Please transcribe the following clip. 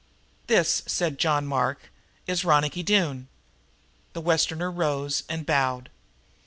"This," said John Mark, "is Ronicky Doone." The Westerner rose and bowed.